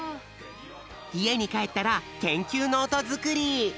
いえにかえったらけんきゅうノートづくり。